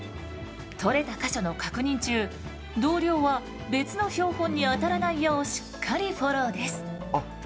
取れた箇所の確認中同僚は別の標本に当たらないようしっかりフォローです。